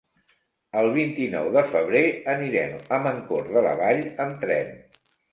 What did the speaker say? El vint-i-nou de febrer anirem a Mancor de la Vall amb tren.